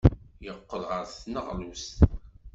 Yeqqel ɣer tneɣlust.